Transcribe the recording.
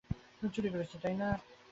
সে ওখানে উঠতে পারবে না।